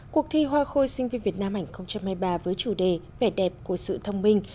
cuộc thi hoa khôi sinh viên việt nam hai nghìn hai mươi ba với chủ đề vẻ đẹp của sự thông minh